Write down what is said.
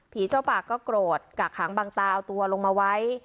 เจ้าปากก็โกรธกากหางบางตาเอาตัวลงมาไว้